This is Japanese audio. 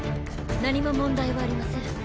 何も問題はありません。